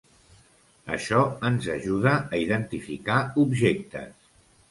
Això ens ajuda a identificar objectes.